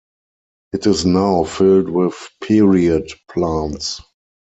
It is now filled with period plants.